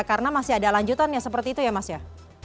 karena masih ada lanjutannya seperti itu ya mas ya